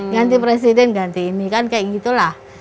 ganti presiden ganti ini kan kayak gitu lah